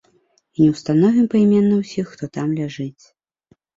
І не ўстановім пайменна ўсіх, хто там ляжыць.